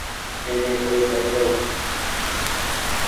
ايني ڪوئي پڪڙو ۔